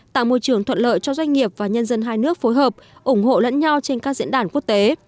tạo môi trường thuận lợi cho doanh nghiệp và nhân dân hai nước phối hợp ủng hộ lẫn nhau trên các diễn đàn quốc tế